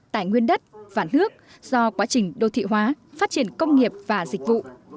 tài nguyên đất và nước do quá trình đô thị hóa phát triển công nghiệp và dịch vụ